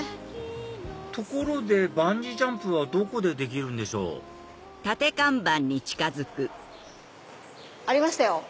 ところでバンジージャンプはどこでできるんでしょう？ありましたよ。